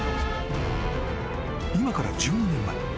［今から１２年前］